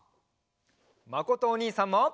まことおにいさんも！